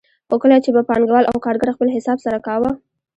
خو کله چې به پانګوال او کارګر خپل حساب سره کاوه